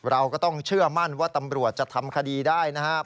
เราก็ต้องเชื่อมั่นว่าตำรวจจะทำคดีได้นะครับ